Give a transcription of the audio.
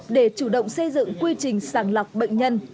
để chủ động xây dựng quy trình sàng lọc bệnh nhân